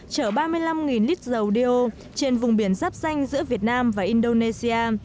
chở ba mươi năm lít dầu đeo trên vùng biển giáp danh giữa việt nam và indonesia